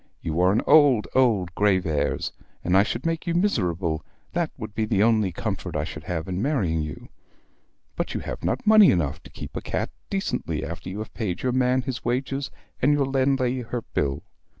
You are an old, old Graveairs, and I should make you miserable, that would be the only comfort I should have in marrying you. But you have not money enough to keep a cat decently after you have paid your man his wages, and your landlady her bill.